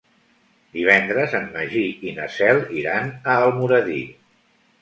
Divendres en Magí i na Cel iran a Almoradí.